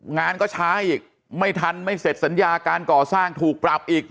งานก็ช้าอีกไม่ทันไม่เสร็จสัญญาการก่อสร้างถูกปรับอีก